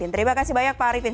terima kasih banyak pak arifin